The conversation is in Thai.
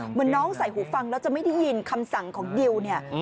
เหมือนน้องใส่หูฟังแล้วจะไม่ได้ยินคำสั่งของดิวเนี่ย